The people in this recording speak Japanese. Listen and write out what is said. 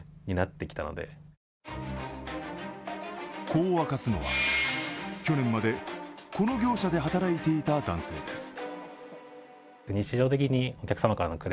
こう明かすのは、去年までこの業者で働いていた男性です。